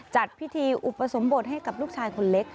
จัดพิธีอุปสมบทให้กับลูกชายคนเล็ก